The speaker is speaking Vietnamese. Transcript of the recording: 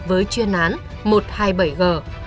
với chuyên án một trăm hai mươi bảy g